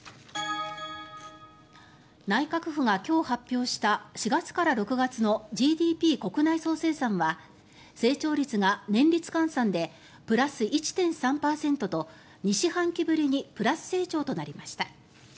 内閣府が今日発表した４月から６月のＧＤＰ・国内総生産は成長率が年率換算でプラス１．３％と２四半期ぶりにプラス成長となりました。